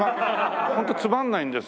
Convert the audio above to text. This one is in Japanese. ホントつまんないんです。